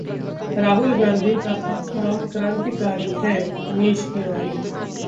राहुल गांधी का काम क्रांतिकारी है: मनीष तिवारी